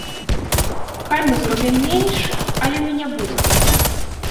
Хай мы заробім менш, але мы не будзем баяцца.